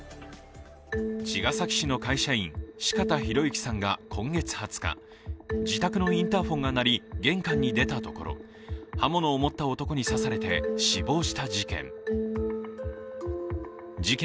茅ヶ崎市の会社員、四方洋行さんが今月２０日自宅のインターフォンが鳴り、玄関に出たところ刃物を持った男に刺されて、死亡した事件。